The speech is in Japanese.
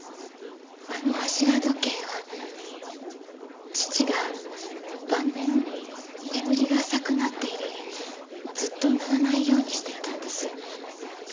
あの柱時計は父が晩年眠りが浅くなって以来ずっと鳴らないようにしていたんです。